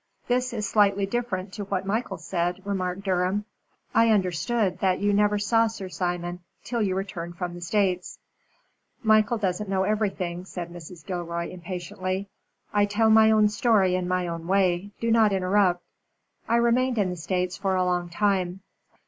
"This is slightly different to what Michael said," remarked Durham. "I understood that you never saw Sir Simon till you returned from the States." "Michael doesn't know everything," said Mrs. Gilroy, impatiently. "I tell my own story in my own way. Do not interrupt. I remained in the States for a long time.